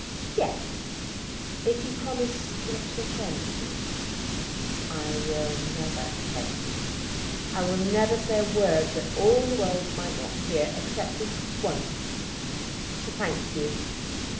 "Yes; if you promise not to offend me." "I will never offend you. I will never say a word that all the world might not hear, except this once, to thank you."